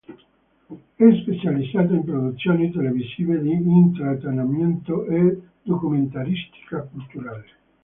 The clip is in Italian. È specializzata in produzioni televisive di intrattenimento e documentaristica culturale.